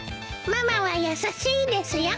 ママは優しいですよ。